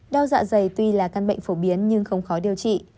đau dạ dày tuy là căn bệnh phổ biến nhưng không khó điều trị